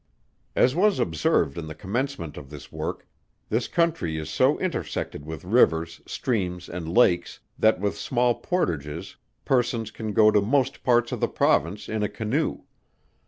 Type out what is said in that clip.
As was observed in the commencement of this work, this country is so intersected with rivers, streams, and lakes, that with small portages persons can go to most parts of the Province in a canoe.